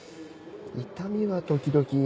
痛みは時々。